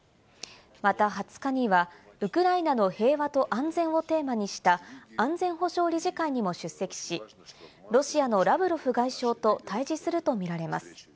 また２０日には、ウクライナの平和と安全をテーマにした安全保障理事会にも出席し、ロシアのラブロフ外相と対峙するとみられます。